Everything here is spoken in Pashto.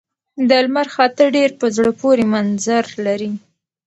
د لمر خاته ډېر په زړه پورې منظر لري.